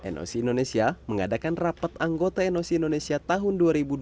noc indonesia mengadakan rapat anggota noc indonesia tahun dua ribu dua puluh